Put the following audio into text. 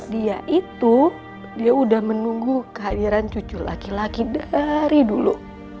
dia itu dia udah menunggu kehadiran cucu laki laki dari dulu